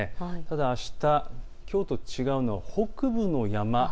ただあした、きょうと違うのは北部の山。